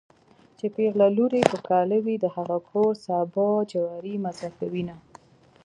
چې پېغله لور يې په کاله وي د هغه کور سابه جواری مزه کوينه